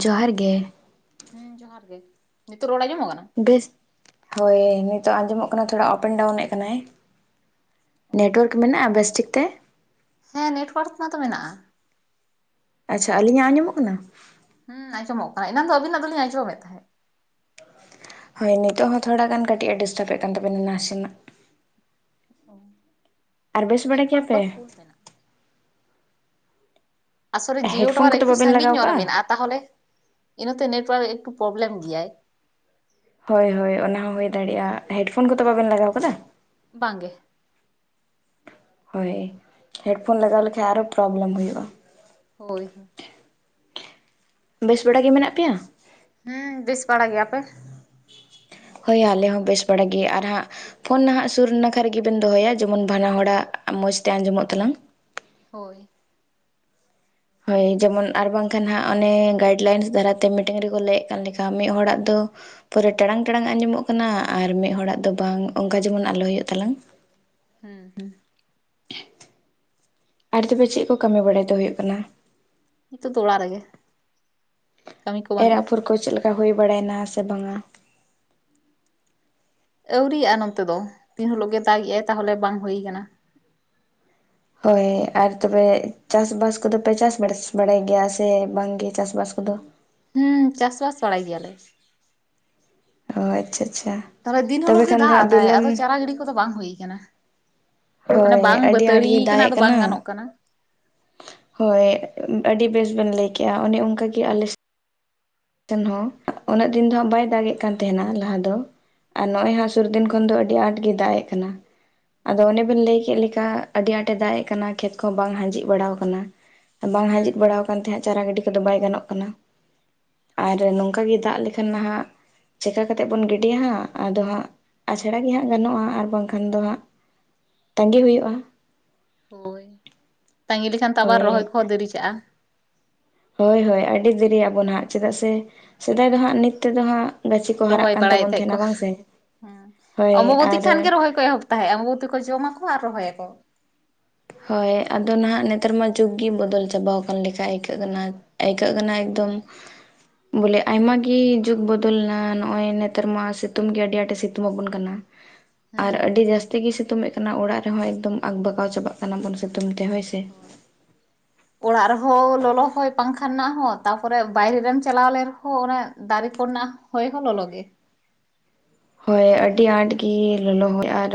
ᱡᱚᱦᱟᱨ ᱜᱮ᱾ ᱦᱮᱸ ᱡᱚᱦᱟᱨ ᱜᱮ᱾ ᱱᱤᱛᱚᱜ ᱨᱚᱲ ᱟᱸᱡᱚᱢᱚᱜ ᱠᱟᱱᱟ? ᱵᱮᱥ, ᱦᱳᱭ ᱱᱤᱛᱚᱜ ᱟᱸᱡᱚᱢᱚᱜ ᱠᱟᱱᱟ, ᱛᱷᱚᱲᱟ ᱚᱯᱮᱱᱰ ᱰᱟᱣᱩᱱ ᱮᱫ ᱠᱟᱱᱟᱭ᱾ ᱚ ᱱᱮᱴᱣᱟᱨᱠ ᱢᱮᱱᱟᱜᱼᱟ ᱵᱮᱥ ᱴᱷᱤᱠ ᱛᱮ? ᱦᱮᱸ ᱱᱮᱴᱳᱣᱟᱨᱠ ᱢᱟ ᱛᱚ ᱢᱮᱱᱟᱜᱼᱟ ᱟᱪᱪᱷᱟ ᱟᱹᱞᱤᱧᱟᱜ ᱟᱸᱡᱚᱢᱚᱜ ᱠᱟᱱᱟ᱾ ᱦᱩᱸᱟᱡᱚᱢᱚᱜ ᱠᱟᱱᱟ ᱮᱱᱟᱱᱟᱝ ᱫᱚ ᱟᱵᱤᱱᱟᱜ ᱫᱚᱞᱤᱧ ᱟᱸᱡᱚᱢᱮᱫ ᱛᱟᱦᱮᱸᱫ᱾ ᱦᱳᱭ ᱱᱤᱛᱚᱜ ᱦᱚᱸ ᱛᱷᱚᱲᱟ ᱜᱟᱱ ᱠᱟᱹᱴᱤᱡ ᱟ ᱰᱤᱥᱴᱟᱵᱮᱫ ᱠᱟᱱ ᱛᱟᱵᱮᱱᱟ ᱱᱟᱥᱮᱱᱟᱜ ᱚ ᱟᱨ ᱵᱮᱥ ᱵᱟᱲᱟ ᱱᱮᱴᱣᱟᱨᱠ [unintelligible] ᱜᱮᱭᱟᱯᱮ ᱫᱚ ᱯᱷᱩᱞ ᱢᱮᱱᱟᱜᱼᱟ᱾ ᱟᱥᱚᱞᱮ ᱡᱤᱭᱳ ᱦᱮᱰᱯᱷᱳᱱ ᱴᱟᱣᱟᱨ ᱠᱚᱫᱚ ᱮᱠᱴᱩ ᱵᱟᱵᱮᱱ ᱥᱟᱺᱜᱤᱧ ᱞᱟᱜᱟᱣ ᱧᱚᱜ ᱨᱮ ᱠᱟᱜᱼᱟ ᱢᱮᱱᱟᱜᱼᱟ᱾ ᱛᱟᱦᱚᱞᱮ ᱤᱱᱟᱹᱛᱮ ᱱᱮᱴᱣᱟᱨᱠ ᱮᱠᱴᱩ ᱯᱨᱚᱵᱞᱮᱢ ᱜᱮᱭᱟᱭ᱾ ᱦᱳᱭ ᱦᱳᱭ ᱚᱱᱟ ᱦᱚᱸ ᱦᱩᱭ ᱫᱟᱲᱮᱭᱟᱜᱼᱟ᱾ ᱦᱮᱰᱯᱷᱳᱱ ᱠᱚᱫᱚ ᱵᱟᱵᱮᱱ ᱞᱟᱜᱟᱣ ᱟᱠᱟᱫᱟ? ᱵᱟᱝᱜᱮ᱾ ᱦᱳᱭ ᱦᱮᱰᱯᱷᱳᱱ ᱞᱟᱜᱟᱣ ᱞᱮᱠᱟᱱᱡ ᱟᱨᱚ ᱦᱚᱸ ᱯᱨᱳᱚᱵᱞᱮᱢ ᱦᱩᱭᱩᱜᱼᱟ᱾ ᱦᱳᱭ ᱦᱳᱭ ᱵᱮᱥ ᱵᱮᱲᱟ ᱜᱮ ᱢᱮᱱᱟᱜ ᱯᱮᱭᱟ? ᱦᱮᱸ ᱵᱮᱥ ᱵᱟᱲᱟ ᱜᱮ᱾ ᱟᱯᱮ? ᱦᱳᱭ ᱟᱞᱮ ᱦᱚᱸ ᱵᱮᱥ ᱵᱟᱲᱲᱟ ᱜᱮ ᱟᱨ ᱦᱟᱸᱜ ᱯᱷᱳᱱ ᱱᱟᱦᱟᱜ ᱥᱩᱨ ᱱᱟᱠᱷᱟ ᱨᱮᱜᱮᱵᱮᱱ ᱫᱚᱦᱚᱭᱟ ᱡᱮᱢᱚᱱ ᱵᱟᱱᱟ ᱦᱚᱲᱟᱜ ᱢᱚᱸᱡᱽ ᱛᱮ ᱟᱸᱡᱚᱢᱚᱜ ᱛᱟᱞᱟᱝ᱾ ᱦᱳᱭ ᱦᱳᱭ ᱡᱮᱢᱚᱱ ᱟᱨ ᱵᱟᱝᱠᱷᱟᱱ ᱦᱟᱸᱜ ᱚᱱᱮ ᱜᱟᱭᱤᱰ ᱞᱟᱭᱤᱱᱥ ᱫᱟᱨᱟᱭᱛᱮ ᱢᱤᱴᱤᱝ ᱨᱮᱠᱚ ᱞᱟᱹᱭᱮᱫ ᱠᱟᱱ ᱞᱮᱠᱟ ᱢᱤᱫ ᱦᱚᱲᱟᱜ ᱫᱚ ᱯᱚᱨᱟᱹ ᱴᱟᱲᱟᱝ ᱴᱟᱲᱟᱝ ᱟᱸᱡᱚᱢᱚᱜ ᱠᱟᱱᱟ ᱟᱨ ᱢᱤᱫ ᱦᱚᱲᱟᱜ ᱫᱚ ᱵᱟᱝ ᱚᱱᱠᱟ ᱡᱮᱢᱚᱱ ᱟᱞᱚ ᱦᱩᱭᱩᱜ ᱛᱟᱞᱟᱝ ᱦᱮᱸ ᱦᱮᱸ [unintelligible] ᱟᱨ ᱛᱚᱵᱮ ᱪᱮᱫ ᱠᱚ ᱠᱟᱹᱢᱤ ᱵᱟᱲᱟᱭ ᱫᱚ ᱦᱩᱭᱩᱜ ᱠᱟᱱᱟ? ᱦᱤᱛᱚᱜ ᱫᱚ ᱚᱲᱟᱜ ᱨᱮᱜᱮ ᱠᱟᱹᱢᱤ ᱠᱚ ᱵᱟᱹᱱᱩᱜᱼᱟ ᱮᱨᱟᱯᱷᱩᱨ ᱠᱚ ᱪᱮᱫ ᱞᱮᱠᱟ ᱦᱩᱭ ᱵᱟᱲᱟᱭᱮᱱᱟ ᱥᱮ ᱵᱟᱝᱟ? ᱟᱹᱣᱨᱤᱭᱜᱼᱟ ᱱᱚᱱᱛᱮ ᱫᱚ ᱫᱤᱱ ᱦᱤᱞᱳᱜ ᱜᱮ ᱫᱟᱜᱮᱜ ᱟᱭ ᱛᱟᱦᱚᱞᱮ ᱵᱟᱝ ᱦᱩᱭᱠᱟᱱᱟ᱾ ᱦᱳᱭ ᱟᱨ ᱛᱚᱵᱮ ᱪᱟᱥᱵᱟᱥ ᱠᱚᱫᱚᱯᱮ ᱪᱟᱥ ᱵᱟ ᱵᱟᱲᱟᱭ ᱜᱮᱭᱟ ᱥᱮ ᱵᱟᱝ ᱜᱮ ᱪᱟᱥᱵᱟᱥ ᱠᱚᱫᱚ ᱦᱩᱸ ᱪᱟᱥᱵᱟᱥ ᱵᱟᱲᱟᱭ ᱜᱮᱭᱟᱞᱮ ᱚ ᱟᱪᱪᱷᱟ ᱟᱪᱪᱷᱟ ᱛᱟᱦᱚᱞᱮ ᱫᱤᱱ ᱛᱚᱵᱮ ᱦᱤᱞᱳᱜ ᱜᱮ ᱠᱷᱟᱱ ᱫᱚ ᱫᱟᱜ ᱦᱟᱸᱜ ᱟᱫᱟᱭ ᱵᱤᱞᱚᱢ ᱟᱫᱚ ᱪᱟᱨᱟ ᱜᱤᱰᱤ ᱠᱚᱫᱚ ᱵᱟᱝ ᱦᱩᱭ ᱟᱠᱟᱱᱟ᱾ ᱢᱟᱱᱮ ᱦᱳᱭ ᱵᱟᱝ ᱟᱹᱰᱤ ᱟᱸᱴ ᱵᱟᱹᱛᱟᱹᱲᱤ ᱜᱮ ᱫᱟᱜ ᱠᱟᱱᱟ ᱮᱜ ᱟᱫᱚ ᱵᱟᱝ ᱜᱟᱱᱚᱜ ᱠᱟᱱᱟ᱾ ᱦᱳᱭ ᱟᱹᱰᱤ ᱵᱮᱥ ᱵᱮᱱ ᱞᱟᱹᱭᱠᱮᱜᱼᱟ ᱚᱱᱮ ᱚᱱᱠᱟᱜᱮ ᱟᱞᱮ ᱦᱚᱸ ᱩᱱᱟᱹᱜ ᱫᱤᱱ ᱫᱚ ᱦᱟᱸᱜ ᱵᱟᱭ ᱫᱟᱜ ᱮᱫ ᱠᱟᱱ ᱛᱟᱦᱮᱱᱟ ᱞᱟᱦᱟ ᱫᱚ ᱟᱨ ᱱᱚᱜ ᱚᱚᱭ ᱦᱟᱸ ᱥᱩᱨ ᱫᱤᱱ ᱠᱷᱚᱱ ᱫᱚ ᱟᱜ ᱟᱹᱰᱤ ᱟᱸᱴ ᱜᱮ ᱫᱟᱜ ᱮ ᱠᱟᱱᱟ᱾ ᱟᱫᱚ ᱚᱱᱮ ᱵᱮᱮᱱ ᱞᱟᱹᱭ ᱠᱮᱫ ᱚ ᱞᱮᱠᱟ ᱟᱹᱰᱤ ᱟᱸᱴ ᱫᱟᱜ ᱮᱜ ᱠᱟᱱᱟ ᱠᱷᱮᱛ ᱠᱚ ᱵᱟᱝ ᱦᱟᱸᱡᱮᱫ ᱵᱟᱲᱟᱣ ᱠᱟᱱᱟ᱾ ᱟᱨ ᱵᱟᱝ ᱦᱩᱸ ᱦᱟᱸᱡᱤᱫ ᱦᱩᱸ ᱵᱟᱲᱟᱣ ᱠᱟᱱ ᱛᱮ ᱦᱟᱜ ᱪᱟᱨᱟ ᱜᱟᱹᱰᱤ ᱠᱚᱫᱚ ᱵᱟᱭ ᱜᱟᱱᱚᱜ ᱠᱟᱱᱟ᱾ ᱟᱨ ᱦᱳᱭ ᱱᱚᱝᱠᱟ ᱜᱮ ᱫᱟᱜ ᱞᱮᱠᱷᱟᱱ ᱱᱟᱦᱟᱜ ᱪᱮᱠᱠᱟ ᱠᱟ ᱠᱟᱛᱮᱴᱮᱫ ᱵᱚᱱ ᱜᱤᱰᱤᱭᱟ ᱦᱟᱸᱜ ᱟᱫᱚ ᱦᱟᱸᱜ ᱟᱪᱷᱟᱲᱟ ᱜᱮ ᱦᱟᱸᱜ ᱜᱟᱱᱚᱜᱼᱟ ᱟᱨ ᱵᱟᱝᱠᱷᱟᱱ ᱫᱚ ᱦᱟᱸᱜ ᱛᱟᱺᱜᱤ ᱦᱩᱭᱩᱜᱼᱟ ᱦᱳᱭ ᱛᱟᱺᱜᱤ ᱞᱮᱠᱷᱟᱱ ᱛᱚ ᱟᱵᱟᱨ ᱦᱳᱭ ᱨᱚᱦᱚᱭ ᱠᱚᱦᱚᱸ ᱫᱮᱨᱤ ᱪᱟᱜᱼᱟ ᱦᱳᱭ ᱦᱳᱭ ᱟᱹᱰᱤ ᱫᱮᱨᱤ ᱟᱵᱚᱱ ᱦᱟᱸᱜ ᱪᱮᱫᱟᱜ ᱥᱮ ᱥᱮᱫᱟᱭ ᱫᱚ ᱦᱟᱸᱜ ᱱᱤᱛ ᱛᱮᱫᱚ ᱦᱟᱸᱜ ᱜᱟᱹᱪᱷᱤ ᱠᱚ ᱦᱟᱨᱟᱜ ᱨᱚᱦᱚᱭ ᱠᱟᱱ ᱵᱟᱲᱟᱭᱮᱫ ᱛᱟᱵᱚᱱ ᱛᱟᱦᱮᱸ ᱛᱟᱦᱮᱱᱟ ᱠᱚ ᱵᱟᱝ ᱥᱮ ᱦᱮᱸ ᱦᱳᱭ ᱚᱢᱵᱚᱛᱤ ᱟᱨ ᱠᱷᱟᱱ ᱜᱮ ᱨᱚᱦᱚᱭ ᱠᱚ ᱮᱦᱚᱵ ᱛᱟᱦᱮᱸ ᱢᱩ ᱛᱮᱠᱚ ᱡᱚᱢᱟᱠᱚ ᱟᱨ ᱨᱚᱦᱚᱭᱟᱠᱚ ᱦᱳᱭ ᱟᱫᱚ ᱱᱟᱦᱟᱜ ᱱᱮᱛᱟᱨ ᱢᱟ ᱡᱩᱜᱽ ᱜᱮ ᱵᱚᱫᱚᱞ ᱪᱟᱵᱟᱣ ᱟᱠᱟᱱ ᱞᱮᱠᱟ ᱟᱹᱭᱠᱟᱹᱜ ᱠᱟᱱᱟ᱾ ᱟᱹᱭᱠᱟᱹᱜ ᱠᱟᱱᱟ ᱦᱳᱭ ᱮᱠᱫᱚᱢ ᱵᱚᱞᱮ ᱟᱭᱢᱟᱟᱜᱤ ᱡᱩᱜ ᱵᱚᱫᱚᱞᱱᱟ ᱱᱚᱜ ᱚᱚᱭ ᱱᱮᱛᱟᱨ ᱢᱟ ᱥᱤᱛᱩᱝ ᱜᱮ ᱟᱹᱰᱤ ᱟᱸᱴᱮ ᱥᱤᱛᱩᱝ ᱟᱵᱚᱱ ᱠᱟᱱᱟ᱾ [inaudible] ᱟᱨ ᱟᱹᱰᱤ ᱦᱩᱸ ᱡᱟᱹᱥᱛᱤ ᱜᱮᱭ ᱥᱤᱛᱩᱝ ᱮ ᱠᱟᱱᱟ, ᱚᱲᱟᱜ ᱨᱮᱦᱚᱸ ᱮᱠᱫᱚᱢ ᱟᱠᱵᱟᱜᱟᱣ ᱪᱟᱵᱟᱜ ᱠᱟᱱᱟ ᱵᱚᱱ ᱥᱤᱛᱩᱝ ᱛᱮ ᱦᱚᱭ ᱥᱮ᱾ ᱦᱳᱭ᱾ ᱚᱲᱟᱜ ᱨᱮᱦᱚᱸ ᱞᱚᱞᱚ ᱦᱚᱭ ᱯᱟᱝᱠᱷᱟ ᱨᱮᱱᱟᱜ ᱦᱚᱸ ᱛᱟ ᱯᱚᱨᱮ ᱵᱟᱭᱨᱮ ᱨᱮᱢ ᱪᱟᱞᱟᱣ ᱞᱮᱱ ᱨᱮ ᱦᱚᱸ ᱫᱟᱨᱮ ᱠᱚ ᱨᱮᱱᱟᱜ ᱦᱚᱭ ᱦᱚᱸ ᱞᱚᱞᱚ ᱜᱮ ᱦᱳᱭ ᱟᱹᱰᱤ ᱟᱸᱴ ᱜᱤ ᱞᱚᱞᱚ ᱦᱚᱭ ᱟᱨ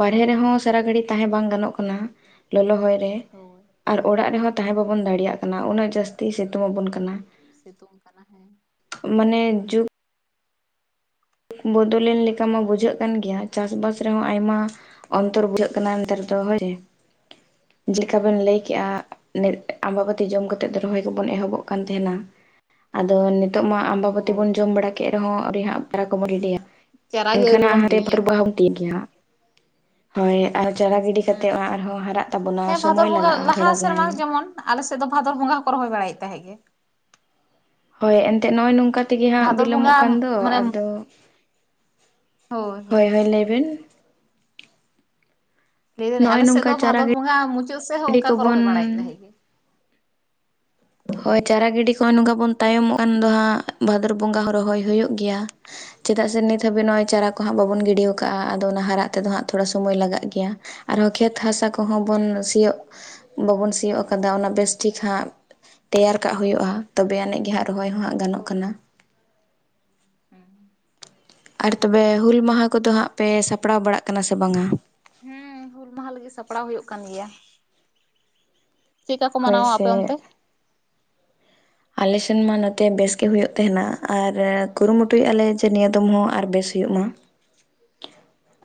ᱵᱟᱨᱦᱮ ᱦᱩᱸ ᱨᱮᱦᱚᱸ ᱥᱟᱨᱟ ᱜᱷᱟᱹᱲᱤᱡ ᱛᱟᱦᱮᱸ ᱵᱟᱝ ᱜᱟᱱᱚᱜ ᱠᱟᱱᱟ ᱞᱚᱞᱚ ᱦᱚᱭ ᱨᱮ ᱦᱳᱭ ᱟᱨ ᱚᱲᱟᱜ ᱨᱮ ᱦᱚᱸ ᱛᱟᱦᱮᱸ ᱵᱟᱵᱚᱱ ᱫᱟᱲᱮᱭᱟᱜ ᱠᱟᱱᱟ᱾ ᱩᱱᱟᱹᱜ ᱡᱟᱹᱥᱛᱤ ᱥᱤᱛᱩᱝ ᱟᱵᱚᱱ ᱠᱟᱱᱟ᱾ ᱥᱤᱛᱩᱝ ᱠᱟᱱᱟ ᱦᱮᱸ ᱢᱟᱱᱮ ᱡᱩᱜᱽ ᱵᱚᱫᱚ ᱞᱮᱱ ᱞᱮᱠᱟ ᱢᱟ ᱵᱩᱡᱷᱟᱹᱜ ᱠᱟᱱ ᱜᱮᱭᱟ ᱪᱟᱥ ᱵᱟᱥ ᱨᱮᱦᱚᱸ ᱟᱭᱢᱟ ᱚᱱᱛᱚᱨ ᱵᱩᱡᱷᱟᱹᱜ ᱠᱟᱱᱟ ᱱᱮᱛᱟᱨ ᱫᱚ ᱦᱳᱭ [inaudible] ᱡᱮ ᱞᱮᱠᱟ ᱵᱮᱱ ᱞᱟᱹᱭ ᱠᱮᱜᱼᱟ ᱟᱵᱟᱵᱚᱹᱛᱤ ᱡᱚᱢ ᱠᱟᱛᱮᱜ ᱨᱚᱦᱚᱭ ᱠᱚ ᱵᱚᱱ ᱮᱦᱚᱵᱚᱜ ᱠᱟᱱ ᱛᱟᱦᱮᱸᱱᱟ ᱟᱫᱚ ᱱᱤᱛᱚᱜ ᱢᱟ ᱟᱵᱟᱵᱟᱹᱛᱤ ᱦᱳᱭ ᱵᱚᱱ ᱡᱚᱢ ᱵᱟᱲᱟ ᱠᱮᱫ ᱨᱮᱦᱚᱸ ᱟᱸᱣᱨᱤ ᱦᱟᱸᱜ ᱰᱟᱨᱟ ᱠᱚᱵᱚᱱ ᱜᱤᱰᱤᱼᱭᱟ᱾ ᱪᱟᱨᱟ ᱜᱮ ᱟᱹᱣᱨᱤ ᱮᱱᱠᱷᱟᱱ ᱵᱚᱱ ᱮᱱᱛᱮᱨᱮᱦᱚ ᱜᱤᱲᱤᱭᱟ ᱵᱷᱟᱨᱚᱛ ᱵᱚᱝᱜᱟ ᱵᱚᱱ ᱛᱤᱭᱳᱜ ᱠᱮᱭᱟ ᱦᱟᱸᱜ ᱦᱳᱭ ᱟᱨ ᱪᱟᱨᱟ ᱜᱤᱰᱤ ᱠᱟᱛᱮᱜ ᱦᱩᱸ ᱚᱱᱟ ᱟᱨᱦᱚᱸ ᱦᱟᱨᱟᱜ ᱛᱟᱵᱚᱱᱟ, ᱥᱳᱢᱳᱭ ᱞᱟᱜᱟᱜᱼᱟ ᱛᱷᱚᱲᱟ ᱜᱟᱱ ᱾ ᱟᱞᱮᱥ ᱥᱮᱫ ᱫᱚ ᱵᱷᱟᱫᱚᱨ ᱵᱚᱸᱜᱟ ᱦᱚᱸᱠᱚ ᱨᱚᱦᱚᱭ ᱵᱟᱲᱟᱭᱮᱫ ᱛᱟᱦᱮᱸᱜ ᱜᱮ ᱾ ᱦᱳᱭ ᱮᱱᱛᱮ ᱱᱚᱜᱼᱚᱭ ᱱᱚᱝᱠᱟ ᱾ ᱛᱮᱜᱮ ᱦᱟᱸᱜ ᱵᱷᱟᱫᱚᱨ ᱵᱚᱸᱜᱟ ᱵᱤᱞᱚᱢᱚᱜ ᱠᱟᱱ ᱫᱚ, ᱢᱟᱱᱮ ᱟᱫᱚ ᱦᱳᱭ ᱦᱳᱭ ᱞᱟᱹᱭ ᱵᱤᱱ? ᱞᱟᱹᱭ ᱫᱟᱹᱞᱤᱧ ᱱᱚᱜᱼᱚᱭ ᱟᱞᱮ ᱥᱮᱫ ᱱᱚᱝᱠᱟ ᱫᱚ ᱪᱟᱨᱟ ᱵᱷᱟᱫᱚᱨ ᱵᱚᱸᱜᱟ ᱢᱩᱪᱟᱹᱫ ᱥᱮᱫ ᱦᱚᱸ ᱜᱤᱰᱤ ᱚᱱᱠᱟ ᱠᱚ ᱠᱚᱵᱚᱱ ᱨᱚᱦᱚᱭ ᱵᱟᱲᱟᱭᱮᱫ ᱛᱟᱦᱮᱸᱜ ᱜᱮ᱾ ᱦᱳᱭ ᱪᱟᱨᱟ ᱜᱤᱰᱤ ᱠᱚ ᱱᱚᱝᱠᱟ ᱵᱚᱱ ᱛᱟᱭᱚᱢᱚᱜ ᱠᱷᱟᱱ ᱫᱚ, ᱦᱟᱸᱜ ᱵᱷᱟᱫᱚᱨ ᱵᱚᱸᱜᱟ ᱦᱚᱸ ᱨᱚᱦᱚᱭ ᱦᱳᱭᱳᱜ ᱜᱮᱭᱟ ᱾ ᱪᱮᱫᱟᱜ ᱥᱮ ᱱᱤᱛ ᱦᱟᱹᱵᱤᱡ ᱱᱚᱜᱼᱚᱭ ᱪᱟᱨᱟ ᱠᱚ ᱦᱟᱸᱜ ᱵᱟᱵᱚᱱ ᱦᱳᱭ ᱜᱤᱰᱤ ᱟᱠᱟᱣᱟ, ᱟᱫᱚ ᱚᱱᱟ ᱦᱟᱨᱟᱜ ᱛᱮ ᱫᱚ ᱦᱟᱸᱜ ᱛᱷᱚᱲᱟ ᱥᱳᱢᱳᱭ ᱞᱟᱜᱟᱜ ᱜᱮᱭᱟ ᱟᱨ ᱦᱚᱸ ᱠᱷᱮᱛ ᱦᱟᱥᱟ ᱠᱚ ᱦᱚᱸ ᱵᱚᱱ ᱥᱤᱭᱳᱜ ᱵᱟᱵᱚᱱ ᱥᱤᱭᱳᱜ ᱠᱟᱫᱟ ᱚᱱᱟ ᱵᱮᱥ ᱴᱷᱤᱠ ᱦᱟᱸᱜ ᱛᱮᱭᱟᱨ ᱠᱟᱜ ᱦᱩᱭᱩᱜᱼᱟ, ᱛᱚᱵᱮ ᱟᱹᱱᱤᱡ ᱜᱮ ᱦᱟᱸᱜ ᱨᱚᱦᱚᱭ ᱦᱚᱸ ᱦᱟᱸᱜ ᱜᱟᱱᱚᱜ ᱦᱳᱭ ᱠᱟᱱᱟ ᱾ ᱟᱨ ᱛᱚᱵᱮ ᱦᱩᱹᱞ ᱢᱟᱦᱟ ᱠᱚᱫᱚ ᱦᱟᱸᱜ ᱯᱮ ᱥᱟᱯᱲᱟᱣ ᱵᱟᱲᱟᱜ ᱠᱟᱱᱟ ᱥᱮ ᱵᱟᱝ-ᱟ? ᱦᱮᱸ ᱦᱩᱹᱞ ᱢᱟᱦᱟ ᱞᱟᱹᱜᱤᱜ ᱥᱟᱯᱲᱟᱣ ᱦᱳᱭᱳᱜ ᱠᱟᱱ ᱜᱮᱭᱟ ᱾ ᱪᱮᱫ ᱠᱟ ᱠᱚ ᱦᱳᱭ ᱢᱟᱱᱟᱣᱟ ᱟᱯᱮ ᱥᱮ ᱚᱱᱛᱮ? ᱟᱞᱮ ᱥᱮᱱ ᱢᱟ ᱱᱚᱛᱮ ᱵᱮᱥ ᱜᱮ ᱦᱩᱭᱩᱜ ᱛᱟᱦᱮᱸᱱᱟ, ᱟᱨ ᱠᱩᱨᱩ ᱢᱩᱴᱩᱭᱮᱜᱼᱟ ᱞᱮ ᱡᱮ ᱱᱤᱭᱟᱹ ᱫᱚᱢ ᱦᱚᱸ ᱟᱨ ᱵᱮᱥ ᱦᱩᱭᱩᱜ ᱢᱟ᱾ [inaudible]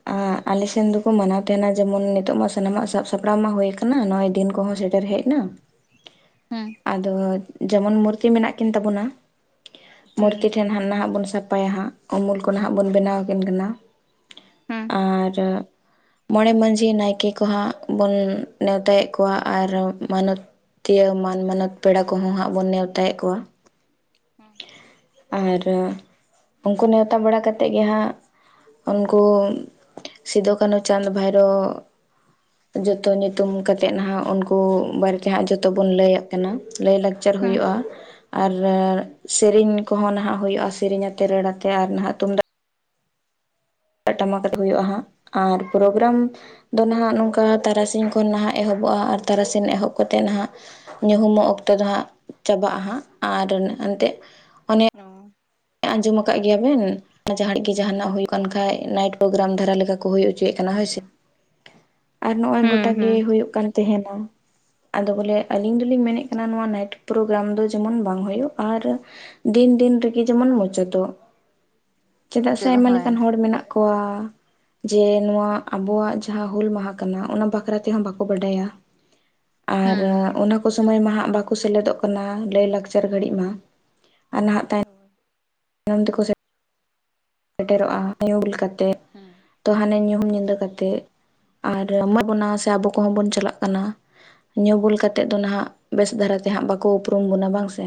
ᱟᱞᱮ ᱥᱮ ᱫᱚᱠᱚ ᱢᱟᱱᱟᱣ ᱛᱟᱦᱮᱸᱱᱟ ᱡᱮᱢᱚᱱ ᱱᱤᱛᱚᱜ ᱢᱟ ᱥᱟᱱᱟᱢ ᱟᱜ ᱥᱟᱵ ᱥᱟᱯᱲᱟᱣ ᱢᱟ ᱦᱳᱭ ᱠᱟᱱᱟ ᱱᱚᱜ-ᱚᱭ ᱫᱤᱱ ᱠᱚᱦᱚ ᱥᱮᱴᱮᱨ ᱦᱮᱸ ᱦᱮᱡ ᱱᱟ ᱦᱮᱸ ᱟᱨ ᱡᱮᱢᱚᱱ ᱢᱩᱨᱛᱤ ᱢᱮᱱᱟᱜ ᱠᱤᱱ ᱛᱟᱵᱚᱱᱟ ᱦᱮᱸ ᱢᱩᱨᱛᱤ ᱴᱷᱮᱱ ᱛᱷᱟᱱ ᱱᱟᱦᱟᱜ ᱵᱚᱱ ᱥᱟᱯᱷᱟᱭᱟ ᱦᱟᱸᱜ ᱩᱢᱩᱞ ᱠᱚ ᱱᱟᱦᱟᱜ ᱵᱚᱱ ᱵᱮᱱᱟᱣ ᱟᱹᱠᱤᱱ ᱠᱟᱱᱟ ᱾ ᱦᱮᱸ ᱟᱨ ᱢᱚᱬᱮ ᱢᱟᱺᱡᱷᱤ ᱱᱟᱭᱠᱮ ᱠᱚᱦᱚᱸ ᱦᱟᱸᱜ ᱵᱚᱱ ᱱᱮᱣᱛᱟ ᱭᱮᱜ ᱠᱚᱣᱟ ᱟᱨ ᱢᱟᱱᱚᱛ ᱛᱤᱭᱟᱹ ᱢᱟᱱ ᱢᱟᱱᱚᱛ ᱯᱮᱲᱟ ᱠᱚᱦᱚᱸ ᱦᱟᱸᱜ ᱵᱚᱱ ᱱᱮᱣᱛᱟ ᱭᱮᱜ ᱠᱚᱣᱟ ᱾ [unintelligible] ᱟᱨ ᱩᱱᱠᱩ ᱱᱮᱣᱛᱟ ᱵᱟᱲᱟ ᱠᱟᱛᱮᱜ ᱜᱮ ᱦᱟᱸᱜ ᱩᱱᱠᱩ ᱥᱤᱫᱩ ᱠᱟᱹᱱᱦᱩ ᱪᱟᱸᱫᱽ ᱵᱷᱟᱭᱨᱳ ᱡᱚᱛᱚ ᱧᱩᱛᱩᱢ ᱠᱟᱛᱮᱜ ᱱᱟᱦᱟᱜ ᱩᱱᱠᱩ ᱵᱟᱨᱮ ᱛᱮ, ᱦᱟᱸᱜ ᱡᱚᱛᱚ ᱵᱚᱱ ᱞᱟᱹᱭ-ᱟ ᱾ ᱠᱟᱱᱟ ᱞᱟᱹᱭ ᱞᱟᱠᱪᱟᱨ ᱦᱮᱸ ᱦᱩᱭᱩᱜᱼᱟ ᱟᱨ ᱥᱮᱨᱮᱧ ᱠᱚᱦᱚᱸ ᱱᱟᱦᱟᱜ ᱦᱩᱭᱩᱜᱼᱟ, ᱥᱮᱨᱮᱧ ᱟᱛᱮ ᱨᱟᱹᱲ ᱟᱛᱮ ᱟᱨ ᱱᱟᱦᱟᱜ ᱛᱩᱢᱫᱟᱜ ᱴᱟᱢᱟᱠ ᱟᱛᱮᱜ ᱦᱩᱭᱩᱜᱼᱟ ᱦᱟᱸᱜ ᱟᱨ ᱯᱨᱳᱜᱨᱟᱢ ᱟᱫᱚ ᱱᱟᱦᱟᱜ ᱱᱚᱝᱠᱟ ᱛᱟᱨᱟᱥᱤᱧ ᱠᱷᱚᱱ ᱱᱟᱦᱟᱜ ᱮᱦᱚᱵᱚᱜᱼᱟ, ᱟᱨ ᱛᱟᱨᱟᱥᱤᱧ ᱮᱦᱚᱵ ᱠᱟᱛᱮᱜ ᱱᱟᱦᱟᱜ ᱧᱩᱦᱩᱢ ᱚᱜ ᱚᱠᱛᱚ ᱫᱚ ᱦᱟᱸᱜ ᱪᱟᱵᱟᱜᱼᱟ ᱦᱟᱸᱜ ᱟᱨ ᱮᱱᱛᱮᱜ [unintelligible] ᱟᱸᱡᱚᱢ ᱟᱠᱟᱜ ᱜᱮᱭᱟ ᱵᱮᱱ? ᱡᱟᱸᱦᱟ ᱨᱮ ᱜᱮ ᱡᱟᱦᱟᱸ ᱱᱟᱜ ᱦᱳᱭᱳᱜ ᱠᱟᱱ ᱠᱷᱟᱡ ᱱᱟᱭᱤᱴ ᱯᱨᱳᱜᱨᱟᱢ ᱫᱷᱟᱨᱟ ᱞᱮᱠᱟ ᱠᱚ ᱦᱚᱪᱚ ᱭᱮᱜ ᱠᱟᱱᱟ ᱦᱳᱭ ᱥᱮ᱾ [inaudible] ᱟᱨ ᱱᱚᱜᱼᱚᱭ ᱜᱚᱴᱟ ᱦᱮᱸ ᱜᱮ ᱦᱮᱸ ᱦᱳᱭᱳᱜ ᱠᱟᱱ ᱛᱮᱦᱮᱱᱚ᱾ ᱟᱫᱚ ᱵᱚᱞᱮ ᱟᱹᱞᱤᱧ ᱫᱚᱞᱤᱧ ᱢᱮᱱᱮᱫ ᱠᱟᱱᱟ, ᱱᱚᱣᱟ ᱱᱟᱭᱤᱴ ᱯᱨᱳᱜᱨᱟᱢ ᱫᱚ ᱡᱮᱢᱚᱱ ᱵᱟᱝ ᱦᱩᱭᱩᱜ, ᱟᱨ ᱫᱤᱱ ᱫᱤᱱ ᱨᱮᱜᱮ ᱡᱮᱢᱚᱱ ᱢᱩᱪᱟᱹᱫᱚᱜ, ᱪᱮᱫᱟᱜ ᱥᱮ ᱢᱩᱪᱟᱹᱫ ᱟᱭᱢᱟ ᱞᱮᱠᱟᱱ ᱦᱮᱸ ᱦᱚᱲ ᱢᱮᱱᱟᱜ ᱠᱚᱣᱟ᱾ ᱡᱮ ᱱᱚᱣᱟ ᱟᱵᱚᱣᱟᱜ ᱡᱟᱦᱟᱸ ᱦᱩᱞ ᱢᱟᱦᱟ ᱠᱟᱱᱟ ᱚᱱᱟ ᱵᱟᱠᱷᱨᱟ ᱛᱮᱦᱚᱸ ᱵᱟᱠᱚ ᱵᱟᱰᱟᱭᱟ᱾ [inaudible] ᱟᱨ ᱦᱮᱸ ᱚᱱᱟ᱾ ᱟᱠᱚ ᱥᱚᱢᱚᱭ ᱢᱟ ᱦᱟᱸᱜ ᱵᱟᱠᱚ ᱥᱮᱞᱮᱫᱚᱜ ᱠᱟᱱᱟ ᱞᱟᱹᱭ ᱞᱟᱠᱪᱟᱨ ᱜᱷᱟᱹᱲᱤᱡ ᱢᱟ ᱟᱨ ᱱᱟᱦᱟᱜ ᱛᱟᱭᱚᱢ᱾ ᱦᱚᱭ ᱛᱟᱭᱚᱢ ᱛᱮᱠᱚ ᱥᱮ ᱥᱮᱴᱮᱨᱚᱜ-ᱟ ᱧᱩ ᱵᱩᱞ ᱠᱟᱛᱮ᱾ ᱦᱮᱸ ᱛᱚ ᱦᱟᱱᱮ ᱧᱩᱦᱩᱢ ᱧᱤᱫᱟᱹ ᱠᱟᱛᱮᱜ ᱟᱨ ᱮᱢᱟ ᱵᱚᱱᱟ ᱥᱮ ᱦᱮᱸ ᱟᱵᱚ ᱠᱚᱦᱚᱸ ᱵᱚᱱ ᱪᱟᱞᱟᱜ ᱠᱟᱱᱟ᱾ ᱧᱩ ᱵᱩᱞ ᱠᱟᱛᱮᱜ ᱫᱚ ᱱᱟᱦᱟᱜ ᱵᱮᱥ ᱫᱷᱟᱨᱟ ᱛᱮᱦᱟᱸᱜ ᱵᱟᱠᱚ ᱩᱯᱨᱩᱢ ᱵᱚᱱᱟ ᱵᱟᱝ ᱥᱮ᱾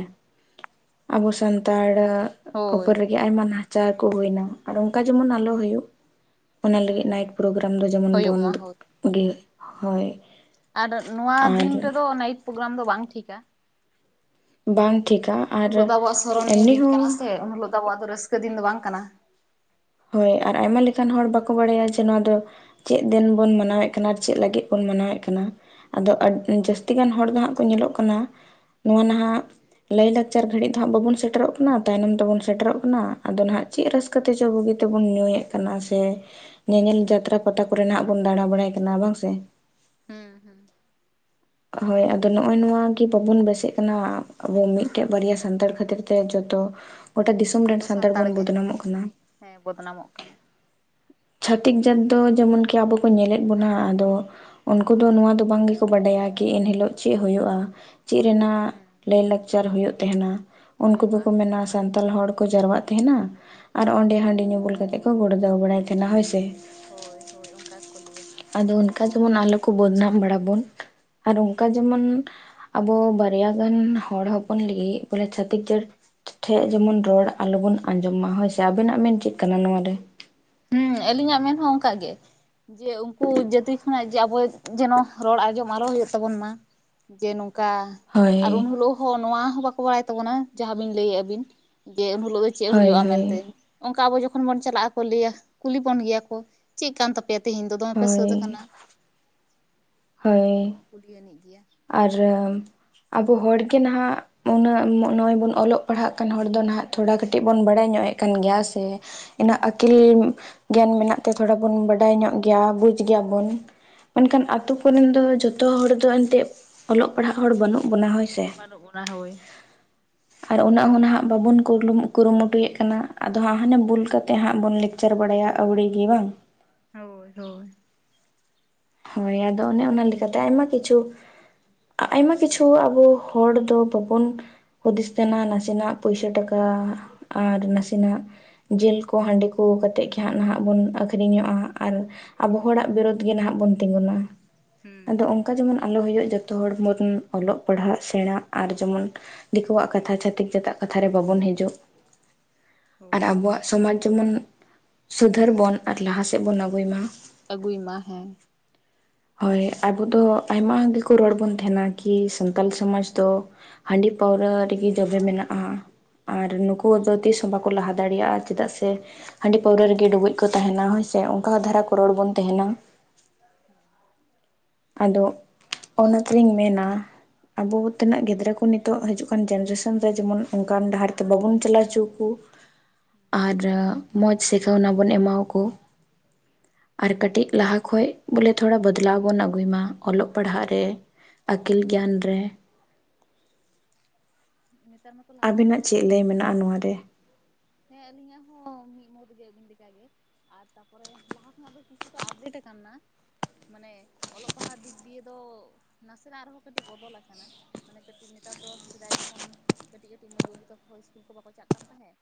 ᱟᱵᱚ ᱥᱟᱱᱛᱟᱲᱟᱜ᱾ ᱦᱳᱭ ᱩᱯᱚᱨ ᱨᱮᱜᱮ ᱟᱭᱢᱟ ᱱᱟᱦᱟᱪᱟᱨ ᱠᱚ ᱦᱩᱭᱱᱟ ᱟᱨ ᱚᱱᱠᱟ ᱡᱮᱢᱚᱱ ᱟᱞᱚ ᱦᱩᱭᱩᱜ᱾ ᱚᱱᱟ ᱦᱩᱸ ᱞᱟᱹᱜᱤᱫ ᱱᱟᱭᱤᱴ ᱯᱨᱳᱜᱨᱟᱢ ᱫᱚ ᱡᱮᱢᱚᱱ ᱦᱩᱭᱩᱜ ᱢᱟ ᱵᱚᱱᱫᱚᱜ ᱦᱳᱭ ᱜᱤ ᱦᱳᱭ᱾ ᱟᱨ ᱱᱚᱣᱟ ᱟᱨ ᱫᱤᱱ ᱨᱮ ᱫᱚ ᱱᱟᱭᱤᱴ ᱯᱨᱳᱜᱨᱟᱢ ᱫᱚ ᱵᱟᱝ ᱴᱷᱤᱠᱟ᱾ ᱵᱟᱝ ᱴᱷᱤᱠᱟ᱾ ᱩᱱ ᱟᱨ ᱦᱤᱞᱳᱜ ᱫᱚ ᱟᱵᱚᱣᱟᱜ ᱥᱚᱨᱚᱱᱤᱭᱚ ᱮᱢᱱᱤ ᱫᱤᱱ ᱠᱟᱱᱟ ᱦᱚᱸ ᱥᱮ ᱩᱱ ᱦᱤᱞᱳᱜ ᱫᱚ ᱟᱵᱚᱣᱟᱜ ᱫᱚ ᱨᱟᱹᱥᱠᱟᱹ ᱫᱤᱱ ᱫᱚ ᱵᱟᱝ ᱠᱟᱱᱟ᱾ ᱦᱳᱭ ᱟᱨ ᱟᱭᱢᱟ ᱞᱮᱠᱟᱱ ᱦᱚᱲ ᱵᱟᱠᱚ ᱵᱟᱲᱟᱭᱟ ᱡᱮ ᱱᱚᱣᱟ ᱫᱚ᱾ ᱪᱮᱫ ᱫᱤᱱ ᱵᱚᱱ ᱢᱟᱱᱟᱣᱮᱫ ᱠᱟᱱᱟ ᱪᱮᱫ ᱞᱟᱹᱜᱤᱫ ᱵᱚᱱ ᱢᱟᱱᱟᱣᱮᱫ ᱠᱟᱱᱟ ᱟᱫᱚ ᱟᱰ ᱦᱳᱭ ᱡᱟᱹᱥᱛᱤ ᱜᱟᱱ ᱦᱚᱲ ᱫᱚ ᱦᱟᱸᱜ᱾ ᱠᱚ ᱧᱮᱞᱚᱜ ᱠᱟᱱᱟ ᱱᱚᱣᱟ ᱱᱟᱦᱟᱜ᱾ ᱞᱟᱹᱭ ᱞᱟᱠᱪᱟᱨ ᱜᱷᱟᱹᱲᱤᱡ ᱫᱚ ᱦᱟᱸᱜ ᱵᱟᱵᱚᱱ ᱥᱮᱴᱮᱨᱚᱜ ᱠᱟᱱᱟ ᱛᱟᱭᱱᱚᱢ ᱛᱮᱵᱚᱱ ᱥᱮᱴᱮᱨᱚᱜ ᱠᱟᱱᱟ ᱟᱫᱚ ᱱᱟᱦᱟᱜ ᱪᱮᱫ ᱨᱟᱹᱥᱠᱟᱹ ᱛᱮᱪᱚ ᱵᱩᱜᱤ᱾ ᱛᱮᱵᱚᱱ ᱧᱩᱭᱮᱫ ᱠᱟᱱᱟ ᱥᱮ ᱧᱮᱧᱮᱞ ᱡᱟᱛᱨᱟ ᱯᱟᱛᱟ ᱠᱚᱨᱮᱱᱟᱜ ᱵᱚᱱ ᱫᱟᱲᱟ ᱵᱟᱲᱟᱭ ᱠᱟᱱᱟ ᱵᱟᱝ ᱥᱮ᱾ ᱦᱮᱸ ᱦᱮᱸ᱾ ᱦᱳᱭ ᱟᱫᱚ ᱱᱚᱜ-ᱚᱭ ᱱᱚᱣᱟᱜᱮ ᱵᱟᱵᱚᱱ ᱵᱮᱥᱮᱜ ᱠᱟᱱᱟ ᱟᱵᱚ ᱢᱤᱫᱴᱮᱡ ᱵᱟᱨᱭᱟ ᱥᱟᱱᱛᱟᱲ ᱠᱷᱟᱹᱛᱤᱨ ᱛᱮ ᱡᱚᱛᱚ᱾ ᱜᱚᱴᱟ ᱫᱤᱥᱚᱢ ᱨᱮᱱ ᱡᱚᱛᱚ ᱥᱟᱱᱛᱟᱲ ᱵᱚᱱ ᱜᱮ ᱵᱚᱫᱱᱟᱢᱚᱜ ᱠᱟᱱᱟ᱾ ᱦᱮᱸ ᱵᱚᱫᱱᱟᱢᱚᱜ ᱠᱟᱱᱟ᱾ ᱪᱷᱟᱹᱛᱤᱠ ᱡᱟᱹᱛ ᱫᱚ ᱡᱮᱢᱚᱱ ᱠᱤ ᱟᱵᱚ ᱠᱚ ᱧᱮᱞᱮᱫ ᱵᱚᱱᱟ ᱟᱫᱚ᱾ ᱩᱱᱠᱩ ᱫᱚ ᱱᱚᱣᱟ ᱫᱚ ᱵᱟᱝ ᱜᱮᱠᱚ ᱵᱟᱰᱟᱭᱟ ᱠᱤ ᱮᱱᱦᱤᱞᱳᱜ ᱪᱮᱫ ᱦᱩᱭᱩᱜ-ᱟ᱾ ᱪᱮᱫ ᱨᱮᱱᱟᱜ ᱦᱮᱸ ᱞᱟᱹᱭ ᱞᱟᱠᱪᱟᱨ ᱦᱩᱭᱩᱜ ᱛᱟᱦᱮᱸᱱᱟ ᱩᱱᱠᱩ ᱦᱩᱭᱩᱜᱼᱟ ᱫᱚᱠᱚ ᱦᱮᱸ ᱢᱮᱱᱟ᱾ ᱥᱟᱱᱛᱟᱲ ᱦᱚᱲ ᱠᱚ ᱡᱟᱨᱣᱟᱜ ᱛᱟᱦᱮᱸᱱᱟ ᱟᱨ ᱚᱸᱰᱮ ᱦᱟᱺᱰᱤ ᱧᱩ ᱵᱩᱞ ᱠᱟᱛᱮ ᱠᱚ ᱜᱩᱲᱫᱟᱹᱣ ᱵᱟᱲᱟᱭ ᱛᱟᱦᱮᱸᱱᱟ ᱦᱳᱭ ᱥᱮ᱾ ᱦᱳᱭ ᱦᱳᱭ ᱚᱱᱠᱟ ᱜᱮᱠᱚ ᱞᱟᱹᱭᱟ᱾ ᱟᱫᱚ ᱚᱱᱠᱟ ᱡᱮᱢᱚᱱ ᱟᱞᱚ ᱠᱚ ᱵᱚᱫᱱᱟᱢ ᱵᱟᱲᱟ ᱵᱚᱱ ᱟᱨ ᱚᱱᱠᱟ ᱡᱮᱢᱚᱱ᱾ ᱟᱵᱚ ᱵᱟᱨᱭᱟ ᱜᱟᱱ ᱦᱚᱲ ᱦᱚᱯᱚᱱ ᱞᱟᱹᱜᱤᱫ ᱵᱚᱞᱮ ᱪᱷᱟᱹᱛᱤᱠ ᱡᱟᱹᱛᱼᱼ ᱴᱷᱮᱡ ᱡᱮᱢᱚᱱ ᱨᱚᱲ ᱟᱞᱚᱵᱚᱱ ᱟᱸᱡᱚᱢ ᱢᱟ ᱦᱳᱭ ᱥᱮ, ᱟᱵᱤᱱᱟᱜ ᱢᱮᱱ ᱪᱮᱫ ᱠᱟᱱᱟ ᱱᱚᱣᱟ ᱨᱮ? ᱦᱩᱸ ᱟᱹᱞᱤᱧᱟᱜ ᱢᱮᱱ ᱦᱚᱸ ᱚᱱᱠᱟ ᱜᱮ᱾ ᱡᱮ ᱩᱱᱠᱩ ᱡᱟᱹᱛᱤ ᱠᱷᱚᱱᱟᱜ ᱡᱮ ᱟᱵᱚ ᱡᱮᱱᱚ ᱨᱚᱲ ᱟᱸᱡᱚᱢ ᱟᱞᱚ ᱦᱩᱭᱩᱜ ᱛᱟᱵᱚᱱ ᱢᱟ᱾ ᱡᱮ ᱱᱚᱝᱠᱟ᱾ ᱦᱳᱭ ᱟᱨ ᱩᱱ ᱦᱤᱞᱳᱜ ᱦᱚᱸ ᱱᱚᱣᱟ ᱦᱚᱸ ᱵᱟᱠᱚ ᱵᱟᱲᱟᱭ ᱛᱟᱵᱚᱱᱟ ᱡᱟᱦᱟᱸ ᱵᱤᱱ ᱞᱟᱹᱭᱮᱫ-ᱟ ᱵᱤᱱ ᱡᱮ ᱩᱱ ᱦᱤᱞᱳᱜ᱾ ᱪᱮᱫ ᱦᱳᱭ ᱦᱩᱭᱩᱜ-ᱟ ᱦᱳᱭ ᱢᱮᱱᱛᱮ ᱚᱱᱠᱟ ᱟᱵᱚ ᱡᱚᱠᱷᱚᱱ ᱵᱚᱱ ᱪᱟᱞᱟᱜᱼᱟ ᱞᱟᱹᱭᱟ ᱠᱩᱞᱤ ᱵᱚᱱ ᱜᱮᱭᱟ ᱠᱚ ᱪᱮᱫ ᱠᱟᱱ ᱛᱟᱯᱮ᱾ ᱯᱮ ᱛᱮᱦᱤᱧ ᱫᱚ ᱫᱚᱢᱮ ᱯᱮ ᱥᱟᱹᱛ ᱦᱳᱭ ᱟᱠᱟᱱᱟ᱾ ᱦᱳᱭ᱾ ᱠᱩᱞᱤᱭᱟᱹᱱᱤᱡ ᱜᱮᱭᱟ᱾ ᱟᱨ᱾ ᱟᱵᱚ ᱦᱚᱲ ᱜᱮ ᱱᱟᱦᱟᱜ ᱩᱱᱟᱹᱜ ᱱᱚᱜ-ᱚᱭ ᱵᱚᱱ ᱚᱞᱚᱜ ᱯᱟᱲᱦᱟᱜ ᱠᱟᱱ ᱦᱚᱲ ᱫᱚ ᱱᱟᱦᱟᱜ ᱛᱷᱚᱲᱟ ᱠᱟᱹᱴᱤᱡ ᱵᱚᱱ ᱵᱟᱲᱟᱭ ᱧᱚᱜ ᱮᱡ᱾ ᱠᱟᱱ ᱜᱮᱭᱟ ᱥᱮ ᱤᱱᱟᱹᱜ ᱦᱩᱸ ᱟᱹᱠᱤᱞ᱾ ᱜᱮᱭᱟᱱ ᱢᱮᱱᱟᱜ ᱛᱮ ᱛᱷᱚᱲᱟ ᱵᱚᱱ ᱵᱟᱰᱟᱭ ᱧᱚᱜ ᱜᱮᱭᱟ ᱵᱩᱡ ᱜᱮᱭᱟ ᱵᱚᱱ᱾ ᱢᱮᱱᱠᱷᱟᱱ ᱟᱛᱳ ᱠᱚ ᱨᱮᱱ ᱫᱚ ᱡᱚᱛᱚ ᱦᱚᱲ ᱫᱚ ᱮᱱᱛᱮᱫ ᱚᱞᱚᱜ ᱯᱟᱲᱦᱟᱜ ᱦᱚᱲ ᱵᱟᱹᱱᱩᱜ ᱵᱚᱱᱟ ᱦᱳᱭ᱾ ᱥᱮ ᱢᱟᱱᱩᱜ ᱵᱚᱱᱟ ᱦᱚᱸᱭ ᱟᱨ ᱩᱱᱟᱹᱜ ᱦᱚᱸ ᱱᱟᱦᱟᱜ ᱵᱟᱵᱚᱱ ᱠᱩᱨᱞᱩ ᱠᱩᱨᱩᱢᱩᱴᱩᱭᱮᱫ ᱠᱟᱱᱟ ᱟᱫᱚ ᱦᱟᱸᱜ ᱦᱟᱱᱮ ᱵᱷᱩᱞ ᱠᱟᱛᱮᱫ ᱦᱟᱸᱜ ᱵᱚᱱ ᱞᱟᱹᱠ ᱪᱟᱨ ᱵᱟᱚᱲᱟᱭ ᱟᱣᱲᱤ ᱜᱮ ᱵᱟᱝ ᱦᱳᱭ ᱦᱳᱭ ᱦᱳᱭ ᱟᱫᱚ ᱚᱱᱮ ᱚᱱᱟ ᱞᱮᱠᱟ ᱛᱮ ᱟᱭᱢᱟ ᱠᱤᱪᱷᱩ ᱟᱭᱢᱟ ᱠᱤᱪᱷᱩ ᱟᱵᱚ ᱦᱚᱲ ᱫᱚ ᱵᱟᱵᱚᱱ ᱦᱩᱫᱤᱥ ᱛᱮᱱᱟ ᱱᱟᱥᱮᱱᱟᱜ ᱯᱩᱭᱥᱟ ᱴᱟᱠᱟ ᱟᱨ ᱱᱟᱥᱮᱱᱟᱜ ᱡᱤᱞ ᱠᱚ ᱦᱟᱺᱰᱤ ᱠᱚ ᱠᱟᱛᱮᱫ ᱜᱮ ᱦᱟᱸᱜ ᱱᱟᱦᱟᱜ ᱵᱚᱱ ᱟᱹᱠᱷᱨᱤᱧᱚᱜᱼᱟ ᱟᱨ ᱟᱵᱚ ᱦᱚᱲᱟᱜ ᱵᱤᱨᱳᱫ ᱜᱮ ᱱᱟᱦᱟᱜ ᱵᱚᱱ ᱛᱤᱸᱜᱩᱱᱟ ᱟᱫᱚ ᱦᱩᱸ ᱚᱱᱠᱟ ᱡᱮᱢᱚᱱ ᱟᱞᱚ ᱦᱩᱭᱩᱜ ᱡᱚᱛᱚ ᱦᱚᱲ ᱵᱚᱱ ᱚᱞᱚᱜ ᱯᱟᱲᱦᱟᱜ ᱥᱮᱬᱟ ᱟᱨ ᱡᱮᱢᱚᱱ᱾ ᱫᱤᱠᱩᱣᱟᱜ ᱠᱟᱛᱷᱟ ᱪᱷᱟᱛᱤᱠ ᱡᱟᱹᱛᱟᱜ ᱠᱟᱛᱷᱟ ᱨᱮ ᱵᱟᱵᱚᱱ ᱦᱤᱡᱩᱜ ᱟᱨ ᱦᱳᱭ ᱟᱵᱚᱣᱟᱜ ᱥᱚᱢᱟᱡ ᱡᱮᱢᱚᱱ ᱥᱩᱫᱷᱟᱹᱨ ᱵᱚᱱ ᱟᱨ ᱞᱟᱦᱟ ᱥᱮᱫ ᱵᱚᱱ ᱟᱜᱩᱭ ᱢᱟ ᱟᱹᱜᱩᱭ ᱢᱟ ᱦᱮᱸ ᱦᱳᱭ ᱟᱵᱚ ᱫᱚ ᱟᱭᱢᱟ ᱜᱮᱠᱚ ᱨᱚᱲ ᱵᱚᱱ ᱛᱟᱦᱮᱱᱟ ᱠᱤ ᱥᱟᱱᱛᱟᱞ ᱥᱚᱢᱟᱡᱽ ᱫᱚ ᱦᱟᱺᱰᱤ ᱯᱟᱹᱣᱨᱟᱹ ᱨᱮᱜᱮ ᱡᱚᱵᱮ ᱢᱮᱱᱟᱜᱼᱟ ᱟᱨ ᱱᱩᱠᱩ ᱫᱚ ᱛᱤᱥᱦᱚ ᱵᱟᱠᱚ ᱞᱟᱦᱟ ᱫᱟᱲᱮᱭᱟᱜᱼᱟ ᱪᱮᱫᱟᱜ ᱥᱮ ᱦᱟᱺᱰᱤ ᱯᱟᱹᱣᱨᱟᱹ ᱨᱮᱜᱮ ᱰᱩᱵᱩᱡ ᱠᱚ ᱛᱟᱦᱮᱱᱟ ᱦᱳᱭᱥᱮ ᱚᱱᱠᱟ ᱦᱚᱸ ᱫᱷᱟᱨᱟ ᱠᱚ ᱨᱚᱲ ᱵᱚᱱ ᱛᱟᱦᱮᱱᱟ ᱟᱫᱚ ᱚᱱᱟᱛᱮᱞᱤᱧ ᱢᱮᱱᱟ ᱟᱵᱚ ᱛᱮᱱᱟᱜ ᱜᱤᱫᱽᱨᱟᱹ ᱠᱚ ᱱᱤᱛᱚᱜ ᱦᱤᱡᱩᱜ ᱠᱟᱱ ᱡᱮᱱᱟᱨᱮᱥᱚᱱ ᱨᱮ ᱡᱮᱢᱚᱱ ᱚᱱᱠᱟᱱ ᱰᱟᱦᱟᱨ ᱛᱮ ᱵᱟᱵᱚᱱ ᱪᱟᱞᱟᱣ ᱪᱩ ᱟᱨ ᱢᱚᱡᱽ ᱥᱤᱠᱟᱹᱣᱱᱟ ᱵᱚᱱ ᱮᱢᱟᱣᱠᱚ ᱟᱨ ᱠᱟᱹᱴᱤᱡ ᱦᱳᱭ ᱞᱟᱦᱟ ᱠᱷᱚᱡ ᱵᱚᱞᱮ ᱛᱷᱚᱲᱟ ᱵᱚᱫᱞᱟᱣ ᱵᱚ ᱟᱹᱜᱩᱭ ᱢᱟ ᱚᱞᱚᱜ ᱯᱟᱲᱦᱟᱜ ᱨᱮ ᱟᱹᱠᱤᱞ ᱜᱮᱭᱟᱱ ᱨᱮ ᱱᱮᱛᱟᱨ ᱢᱟᱛᱚ ᱞᱟᱦᱟ ᱠᱷᱚᱱᱟᱜ ᱟᱵᱤᱱᱟᱜ ᱫᱚ ᱪᱮᱫ ᱞᱟᱹᱭ ᱟᱹᱰᱤ ᱢᱮᱱᱟᱜᱼᱟ ᱱᱚᱣᱟ ᱨᱮ ᱦᱮᱸ ᱟᱹᱞᱤᱧᱟᱜ ᱦᱚᱸ ᱢᱤᱫ ᱢᱩᱛ ᱜᱮ ᱟᱹᱵᱤᱱ ᱞᱮᱠᱟᱜᱮ ᱟᱨ ᱛᱟᱯᱚᱨᱮ ᱞᱟᱦᱟ ᱠᱷᱚᱱᱟᱜ ᱫᱚ ᱠᱤᱪᱷᱩᱴᱟ ᱟᱯᱰᱮᱴ ᱟᱠᱟᱱᱟ ᱢᱟᱱᱮ ᱚᱞᱚᱜ ᱯᱟᱲᱦᱟᱜ ᱫᱤᱠ ᱫᱤᱭᱮ ᱫᱚ ᱱᱟᱥᱮᱱᱟᱜ ᱨᱮᱦᱚᱸ ᱠᱟᱹᱴᱤᱡ ᱵᱚᱫᱚᱞ ᱟᱠᱟᱱᱟ ᱢᱟᱱᱮ ᱠᱟᱹᱴᱤᱡ ᱱᱮᱛᱟᱨ ᱫᱚ ᱥᱮᱫᱟᱭ ᱡᱮᱢᱚᱱ ᱠᱟᱹᱴᱤᱡ ᱠᱟᱹᱴᱤᱡ ᱢᱟᱹᱭ ᱵᱟᱹᱵᱩ ᱛᱟᱠᱚ ᱤᱥᱠᱩᱞ ᱠᱚ ᱵᱟᱠᱚ ᱪᱟᱜ ᱠᱟᱱ ᱛᱟᱦᱮᱸᱫ